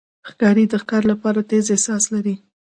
ښکاري د ښکار لپاره تیز احساس لري.